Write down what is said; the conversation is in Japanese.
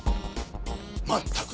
まったく！